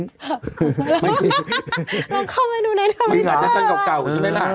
เราเข้าไปดูในเทวิตเตอร์มีหลักจังเก่าใช่มั้ยล่ะ